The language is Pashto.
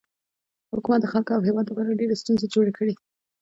حکومت د خلکو او هیواد لپاره ډیرې ستونزې جوړې کړي.